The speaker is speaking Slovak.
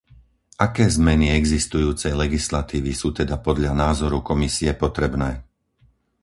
Aké zmeny existujúcej legislatívy sú teda podľa názoru Komisie potrebné?